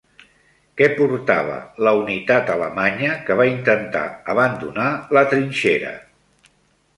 Què portava la unitat alemanya que va intentar abandonar la trinxera?